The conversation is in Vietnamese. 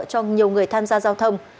cho nhiều người tham gia giao thông